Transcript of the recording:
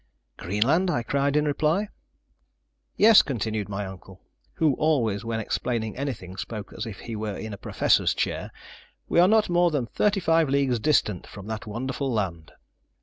"Greenland?" cried I in reply. "Yes," continued my uncle, who always when explaining anything spoke as if he were in a professor's chair; "we are not more than thirty five leagues distant from that wonderful land.